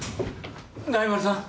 大丸さん？